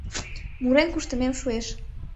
Мурен-куштымем шуэш.